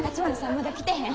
まだ来てへん？